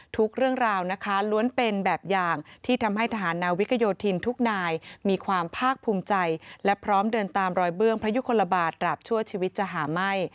ทุกเรื่องราวนะคะล้วนเป็นแบบอย่างที่ทำให้ทหารนาวิกโยธินทุกนายมีความภาคภูมิใจและพร้อมเดินตามรอยเบื้องพระยุคลบาทตราบชั่วชีวิตจะหาไหม้